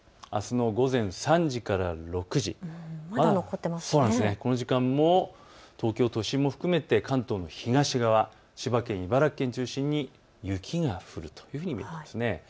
あすの午前３時から６時この時間も東京都心も含めて関東の東側、千葉県、茨城県を中心に雪が降るというふうに見られます。